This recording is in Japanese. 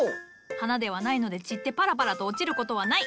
花ではないので散ってパラパラと落ちることはない。